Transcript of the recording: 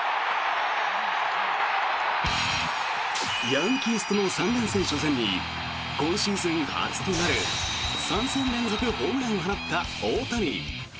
ヤンキースとの３連戦初戦に今シーズン初となる３戦連続ホームランを放った大谷。